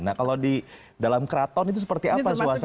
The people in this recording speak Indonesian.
nah kalau di dalam keraton itu seperti apa suasana